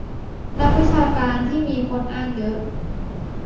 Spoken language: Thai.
นักวิชาการที่มีคนอ้างเยอะ